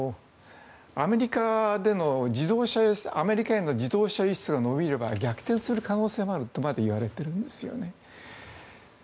アメリカへの自動車輸出が伸びる場合は逆転する可能性があるとまでいわれてるんですね。